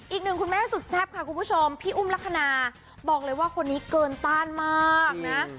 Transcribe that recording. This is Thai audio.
อีกหนึ่งคุณแม่สุดแซ่บค่ะคุณผู้ชมพี่อุ้มลักษณะบอกเลยว่าคนนี้เกินต้านมากนะ